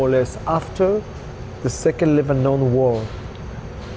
lebih kurang setelah perang levan ii